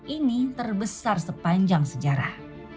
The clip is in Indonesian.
ini terbesar sepanjang sejarah